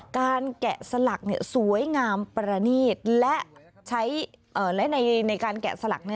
แกะสลักสวยงามประนีตและใช้ในการแกะสลัก